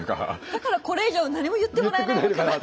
「だからこれ以上何も言ってもらえないのかな」。